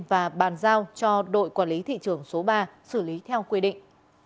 và bàn giao cho đội quản lý thị trường số ba xử lý theo quy định